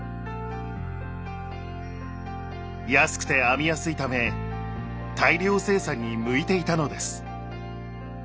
安くて編みやすいため大量生産に向いていたのです。